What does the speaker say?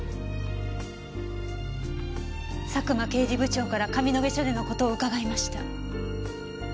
佐久間刑事部長から上野毛署での事をうかがいました。